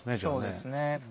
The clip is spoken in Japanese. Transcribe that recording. そうですね。